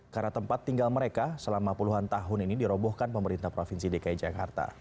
karena tempat tinggal mereka selama puluhan tahun ini dirobohkan pemerintah provinsi dki jakarta